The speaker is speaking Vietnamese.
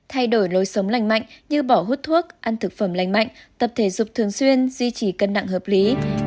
thay đổi lối sống lành mạnh như bỏ hút thuốc ăn thực phẩm lành mạnh tập thể dục thường xuyên duy trì cân nặng hợp lý